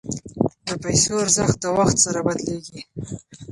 د پیسو ارزښت د وخت سره بدلیږي.